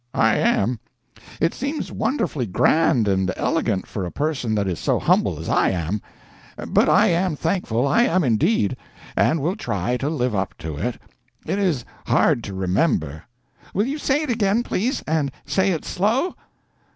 "I am. It seems wonderfully grand and elegant for a person that is so humble as I am; but I am thankful, I am indeed, and will try to live up to it. It is hard to remember. Will you say it again, please, and say it slow?"